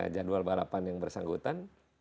jadwal balapan yang bersangkutan